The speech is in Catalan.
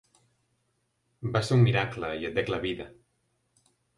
Va ser un miracle i et dec la vida.